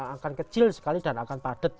akan kecil sekali dan akan padat